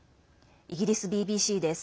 イギリスＢＢＣです。